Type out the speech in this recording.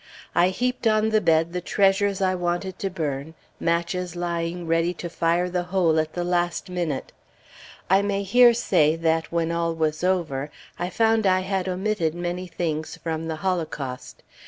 I heaped on the bed the treasures I wanted to burn, matches lying ready to fire the whole at the last minute. I may here say that, when all was over, I found I had omitted many things from the holocaust.